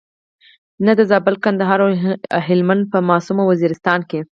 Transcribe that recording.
نه د زابل، کندهار او هلمند په معصوم وزیرستان کې.